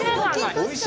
おいしい！